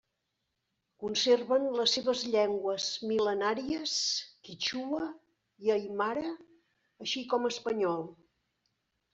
Conserven les seves llengües mil·lenàries quítxua i aimara, així com espanyol.